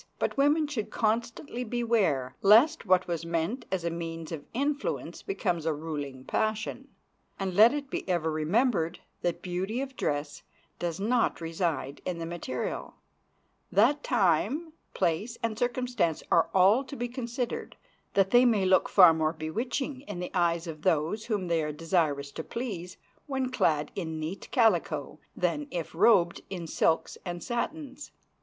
But women should constantly beware lest what was meant as a means of influence becomes a ruling passion. And let it be ever remembered that beauty of dress does not reside in the material; that time, place, and circumstances are all to be considered; that they may look far more bewitching in the eyes of those whom they are desirous to please when clad in neat calico than if robed in silks and satins.